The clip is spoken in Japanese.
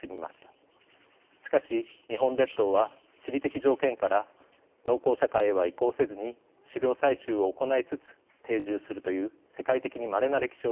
しかし日本列島は地理的条件から農耕社会へは移行せずに狩猟採集を行いつつ定住するという世界的にまれな歴史をたどったのです。